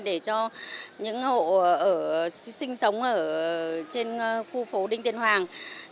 để cho những hộ sinh sống ở trên khu phố đinh tiên hoàng